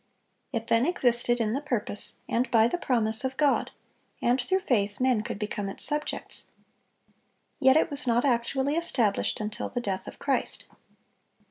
It then existed in the purpose and by the promise of God; and through faith, men could become its subjects. Yet it was not actually established until the death of Christ.